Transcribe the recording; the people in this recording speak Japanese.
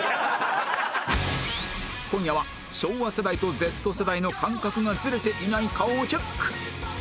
今夜は昭和世代と Ｚ 世代の感覚がずれていないかをチェック！